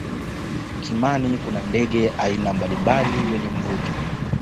kimani kuna ndege wa aina mbalimbali wenye mvuto